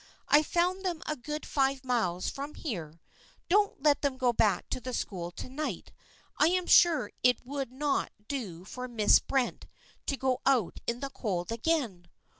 I found them a good five miles from here. Don't let them go back to the school to night. I am sure it would not do for Miss Brent to go out in the cold again."